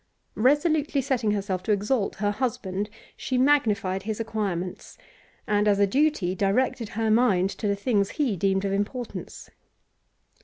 Resolutely setting herself to exalt her husband, she magnified his acquirements, and, as a duty, directed her mind to the things he deemed of importance.